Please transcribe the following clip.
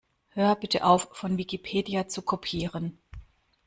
Hört bitte auf, von Wikipedia zu kopieren!